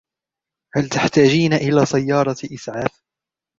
هل تحتاجين إلى سيارة إسعاف ؟